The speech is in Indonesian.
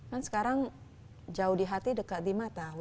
kan sekarang jauh di hati dekat di mata